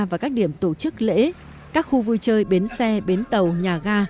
và các điểm tổ chức lễ các khu vui chơi bến xe bến tàu nhà ga